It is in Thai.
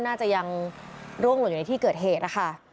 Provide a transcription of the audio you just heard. น่าจะยังร่วงหล่นอยู่ในที่เกิดเหตุนะคะ